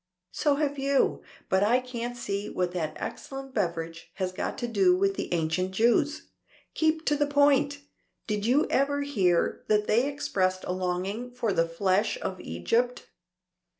"So have you. But I can't see what that excellent beverage has got to do with the ancient Jews. Keep to the point. Did you ever hear that they expressed a longing for the flesh of Egypt?